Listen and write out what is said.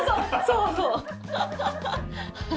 そうそう！